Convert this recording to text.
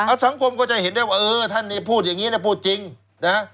สังคมก็จะเห็นได้ว่าเออท่านได้พูดอย่างงี้นะพูดจริงนะ